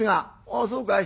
「ああそうかい。